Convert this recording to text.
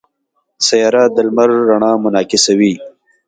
سیاره د لمر رڼا منعکسوي.